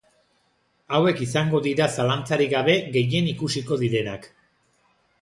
Hauek izango dira zalantzarik gabe gehien ikusiko direnak.